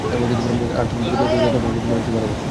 আমি তাকে ততটাই ভালোবাসবো যতটা তুমি রাজ-কে ভালোবাসো।